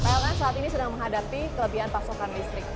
pln saat ini sedang menghadapi kelebihan pasokan listrik